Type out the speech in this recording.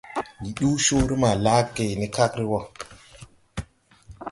Ndi duu coore maa laage ne kagre wɔɔ.